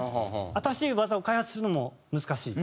新しい技を開発するのも難しい。